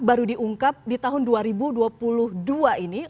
baru diungkap di tahun dua ribu dua puluh dua ini